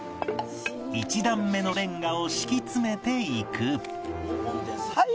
１段目のレンガを敷き詰めていく